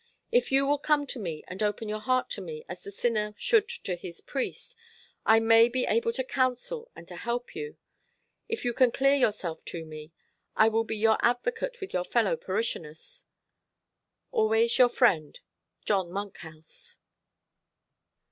"If you will come to me, and open your heart to me, as the sinner should to his priest, I may be able to counsel and to help you. If you can clear yourself to me, I will be your advocate with your fellow parishioners. Always your friend, "JOHN MONKHOUSE."